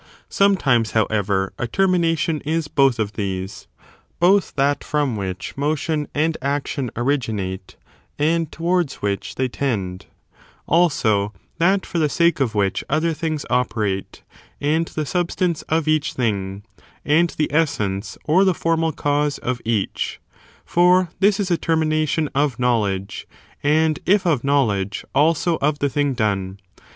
Sometimes, however, a termination is both of these ; both that from which motion and action originate, and towards which they tend; also, that for the sake of which other things operate, and the substance of each thing, and the essence or the formal cause of each : for this is a termination of know ledge, and if of knowledge, also of the thing done.